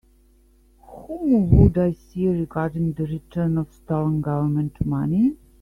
Whom would I see regarding the return of stolen Government money?